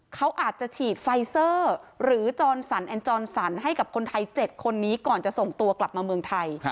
เขาอาจจะฉีดไฟเซอร์หรือจรสันแอนจรสันให้กับคนไทย๗คนนี้ก่อนจะส่งตัวกลับมาเมืองไทย